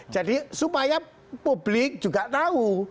jadi supaya publik juga tahu